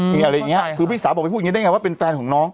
พี่สาวบอกไปพูดอย่างงี้ได้ยังไงว่าเป็นแฟนของน้อง